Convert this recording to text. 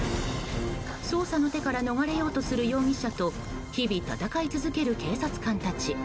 捜査の手から逃れようとする容疑者と日々戦い続ける警察官たち。